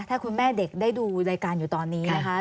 ถ้าคุณแม่เด็กได้ดูรายการอยู่ตอนนี้นะคะ